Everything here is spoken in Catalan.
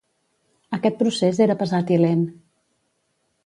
Aquest procés era pesat i lent.